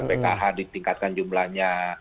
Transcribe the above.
pkh ditingkatkan jumlahnya